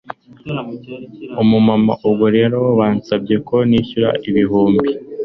Umumama ubwo rero bansabye ko nishyura ibihumbi